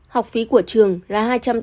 học phí của trường là